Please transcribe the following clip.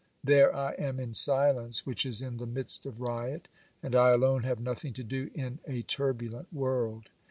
There I am in silence which is in the midst of riot, and I alone have nothing to do in a turbu lent world.